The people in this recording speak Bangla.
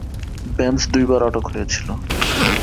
ভ্যান্স দুইবার আটক হয়েছিল।